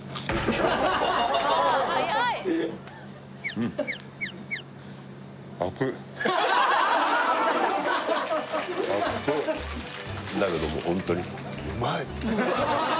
うんあっついだけどもうホントにうまい！